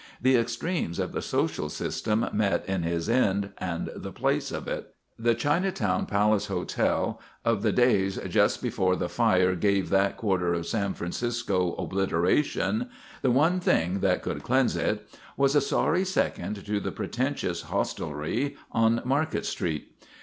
The extremes of the social system met in his end and the place of it." The Chinatown Palace Hotel of the days just before the fire gave that quarter of San Francisco obliteration, the one thing that could cleanse it, was a sorry second to the pretentious hostelry on Market Street.